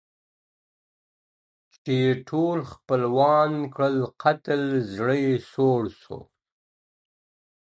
چي یې ټول خپلوان کړل قتل زړه یې سوړ سو.